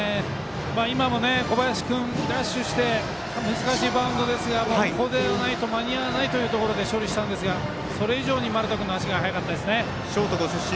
今も小林君、ダッシュして難しいバウンドですがここでないと間に合わないところで処理したんですがそれ以上に丸田君の足が速かったですね。